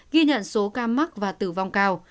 ghi nhận số ca mắc và tử vong cao